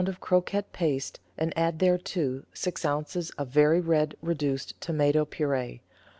of croquette paste and add thereto six oz. of very red, reduced tomato pur^e.